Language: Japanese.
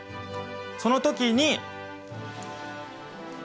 その時に。